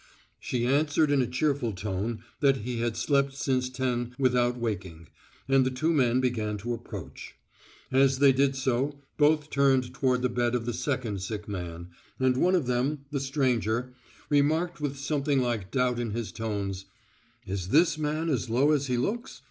She answered in a cheerful tone that he had slept since ten without waking, and the two men began to approach. As they did so both turned toward the bed of the second sick man, and one of them, the stranger, remarked with something like doubt in his tones, "Is this man as low as he looks?